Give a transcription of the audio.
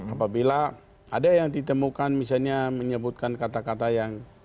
apabila ada yang ditemukan misalnya menyebutkan kata kata yang